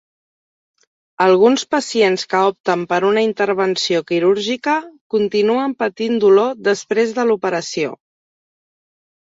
Alguns pacients que opten per una intervenció quirúrgica continuen patint dolor després de l'operació.